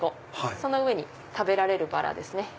その上に食べられるバラですね。